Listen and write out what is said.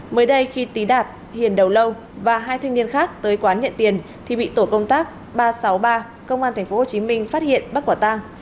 mới đây khi tý đạt hiền đậu lâu và hai thanh niên khác tới quán nhận tiền thì bị tổ công tác ba trăm sáu mươi ba công an tp hcm phát hiện bắt quả tang